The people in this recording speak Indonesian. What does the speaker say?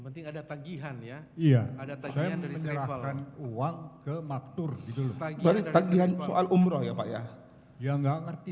d navasi yang ada tagihan ya iya ada dengar infalkan uang ke makpur itu sepuluh tiga